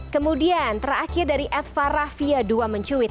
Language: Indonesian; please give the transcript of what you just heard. kemudian terakhir dari edva raffia dua mencuit